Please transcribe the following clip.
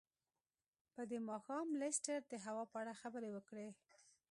په دې ماښام لیسټرډ د هوا په اړه خبرې وکړې.